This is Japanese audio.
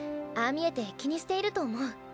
ああ見えて気にしていると思う。